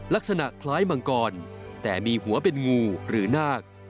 ลักษณะคล้ายมังกรแต่มีหัวเป็นงูหรือนาค